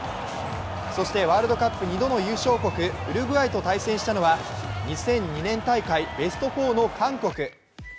そしてワールドカップ２度の優勝国・ウルグアイと対戦したのは、２００２年大会、ベスト４の韓国。